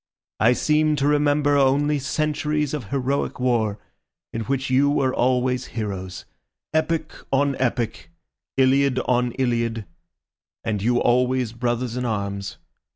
I seem to remember only centuries of heroic war, in which you were always heroes—epic on epic, iliad on iliad, and you always brothers in arms.